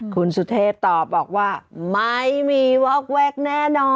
คุณสุเทพตอบบอกว่าไม่มีวอกแวกแน่นอน